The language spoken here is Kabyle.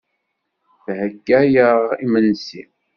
Ttheggayeɣ imensi.